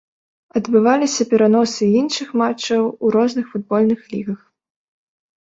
Адбываліся пераносы і іншых матчаў у розных футбольных лігах.